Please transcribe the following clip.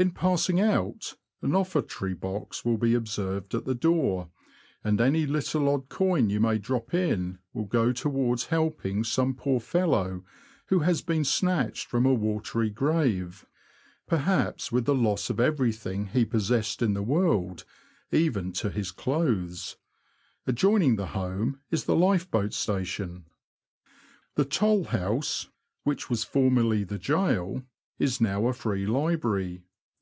In passing out, an offertory box will be observed at the door, and any little odd coin you may drop in will go towards helping some poor fellow who has been snatched from a watery grave, perhaps with the loss of everything he 106 THE LAND OF THE BROADS. possessed in the world, even to his clothes. Adjoin ing the Home is the Lifeboat Station. The Toll House, which was formerly the Gaol, is now a Free Library.